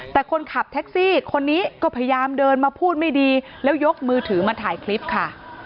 แต่คนขับแท็กซี่คนนี้ก็พยายามเดินมาพูดไม่ดีแล้วยกมือถือมาถ่ายคลิปค่ะ